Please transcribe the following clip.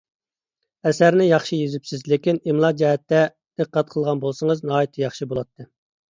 ئەسەرنى ياخشى يېزىپسىز، لېكىن ئىملا جەھەتتە دىققەت قىلغان بولسىڭىز ناھايىتى ياخشى بولاتتى.